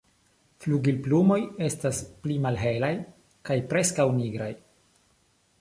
Flugilplumoj estas pli malhelaj kaj preskaŭ nigraj.